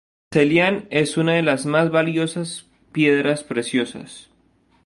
En Ceilán es una de las más valiosas "piedras preciosas".